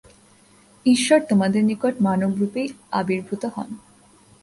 ঈশ্বর তোমাদের নিকট মানবরূপেই আবির্ভূত হন।